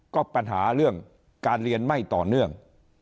ก็ปัญหาเรื่องการเรียนไม่ต่อเนื่อง